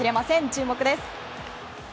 注目です。